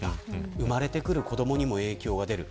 生まれてくる子どもにも影響が出る。